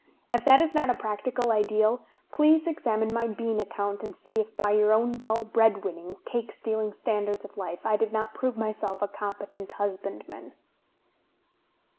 If that is not a practical ideal, please examine my bean account and see if by your own dull bread winning, cake stealing standards of life, I did not prove myself a competent husbandman."